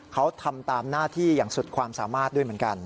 เขาทำตามหน้าที่อย่างสุดความสามารถด้วยเหมือนกัน